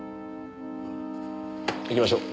行きましょう。